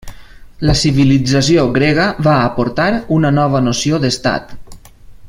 La civilització grega va aportar una nova noció d'estat.